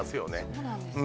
そうなんですね。